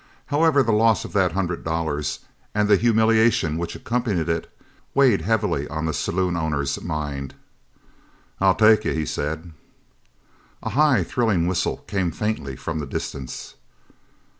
However, the loss of that hundred dollars and the humiliation which accompanied it, weighed heavily on the saloon owner's mind. "I'll take you," he said. A high, thrilling whistle came faintly from the distance.